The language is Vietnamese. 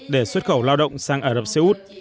để xuất khẩu lao động sang ả rập xê út